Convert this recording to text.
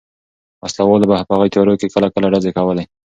وسله والو به په هغو تیارو کې کله کله ډزې کولې.